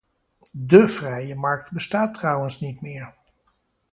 Dé vrije markt bestaat trouwens niet meer.